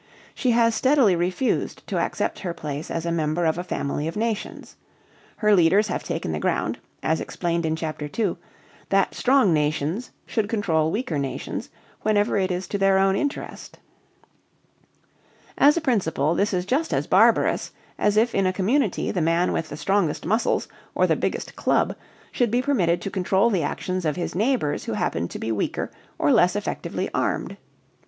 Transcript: She has steadily refused to accept her place as a member of a family of nations. Her leaders have taken the ground, as explained in Chapter II, that strong nations should control weaker nations whenever it is to their own interest. As a principle this is just as barbarous as if in a community the man with the strongest muscles or the biggest club should be permitted to control the actions of his neighbors who happened to be weaker or less effectively armed.